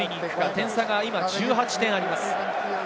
点差は１８点あります。